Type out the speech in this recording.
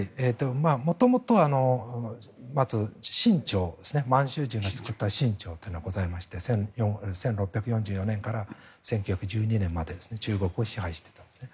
元々、まず清朝満州時に作った清朝というのがありまして１６４４年から１９１２年まで中国を支配していたんです。